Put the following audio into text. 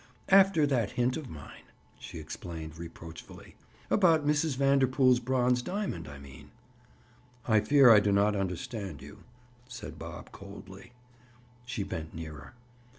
"After that hint of mine!" she explained reproachfully. "About Mrs. Vanderpool's bronze diamond, I mean!" "I fear I do not understand you," said Bob coldly. She bent nearer.